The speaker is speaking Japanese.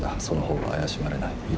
その方が怪しまれない。